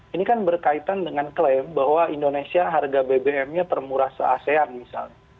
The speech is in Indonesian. ini kan berkaitan dengan klaim bahwa indonesia harga bbm nya termurah se asean misalnya